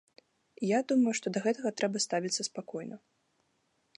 Я думаю, што да гэтага трэба ставіцца спакойна.